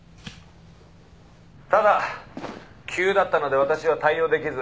「ただ急だったので私は対応できず」